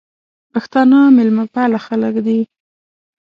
پښتانه مېلمه پاله خلګ دي.